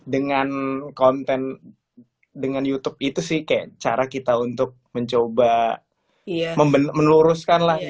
dengan konten dengan youtube itu sih kayak cara kita untuk mencoba meluruskan lah